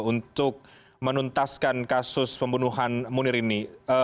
untuk menuntaskan kasus pembunuhan munir ini